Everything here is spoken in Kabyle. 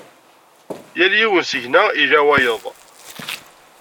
Yal yiwen seg-neɣ ila wayeḍ.